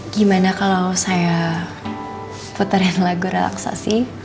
gimana kalau saya putarin lagu relaksasi